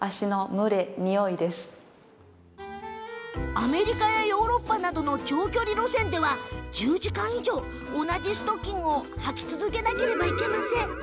アメリカやヨーロッパなどの長距離路線では、１０時間以上同じストッキングをはき続けなければいけません。